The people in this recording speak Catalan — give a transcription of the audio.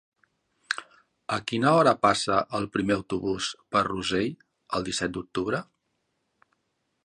A quina hora passa el primer autobús per Rossell el disset d'octubre?